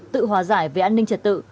tự hòa giải về an ninh trật tự